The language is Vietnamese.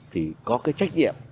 thì có cái trách nhiệm